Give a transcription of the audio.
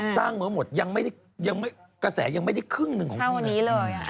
สร้างเหมือนกันหมดกระแสยังไม่ได้ครึ่งหนึ่งของเมือง